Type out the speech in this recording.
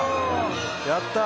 やったぁ。